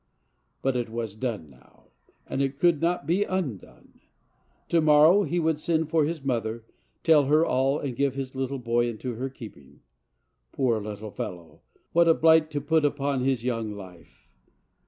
But it was done now, and it could not be undone. To morrow he would send for his mother, tell her all, and give his little boy into her keeping. Poor little fellow, what a blight to put upon his young life!